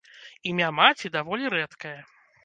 Імя маці даволі рэдкае.